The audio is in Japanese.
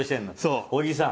小木さん。